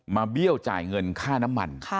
เบี้ยวจ่ายเงินค่าน้ำมัน